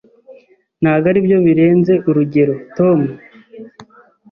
Ntabwo aribyo birenze urugero, Tom?